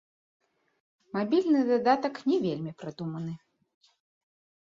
Мабільны дадатак не вельмі прадуманы.